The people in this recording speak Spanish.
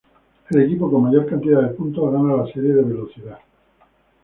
El equipo con mayor cantidad de puntos gana la serie de velocidad.